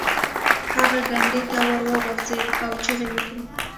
هغه کندې ته وغورځید او چیغې یې کړې.